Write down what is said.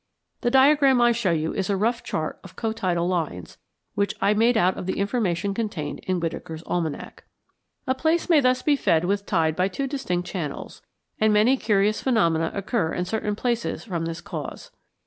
The diagram I show you is a rough chart of cotidal lines, which I made out of the information contained in Whitaker's Almanac. A place may thus be fed with tide by two distinct channels, and many curious phenomena occur in certain places from this cause.